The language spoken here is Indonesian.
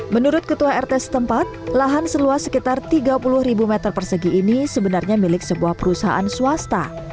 menurut ketua rt setempat lahan seluas sekitar tiga puluh ribu meter persegi ini sebenarnya milik sebuah perusahaan swasta